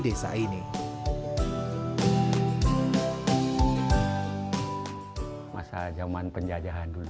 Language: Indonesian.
dan kemudian berpengalaman untuk mencari jalan kembali